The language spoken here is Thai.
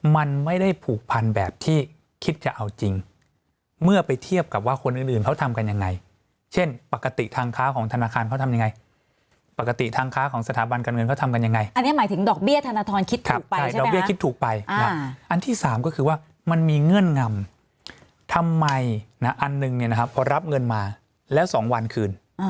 มันไม่ได้ผูกพันแบบที่คิดจะเอาจริงเมื่อไปเทียบกับว่าคนอื่นอื่นเขาทำกันยังไงเช่นปกติทางค้าของธนาคารเขาทำยังไงปกติทางค้าของสถาบันการเงินเขาทำกันยังไงอันนี้หมายถึงดอกเบี้ยธนทรคิดถูกไปใช่ไหมครับใช่ดอกเบี้ยคิดถูกไปอ่าอันที่สามก็คือว่ามันมีเงื่อนงำทำไมนะอันหนึ